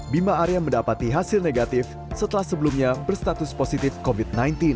bima arya mendapati hasil negatif setelah sebelumnya berstatus positif covid sembilan belas